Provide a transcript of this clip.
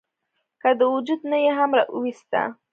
کۀ د وجود نه ئې هم اوويستۀ ؟